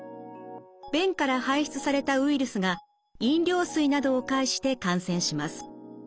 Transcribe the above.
便から排出されたウイルスが飲料水などを介して感染します。